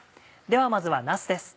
ではまずはなすです。